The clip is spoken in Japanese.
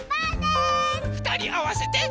ふたりあわせて。